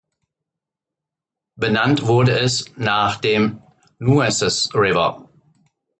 Benannt wurde es nach dem Nueces River.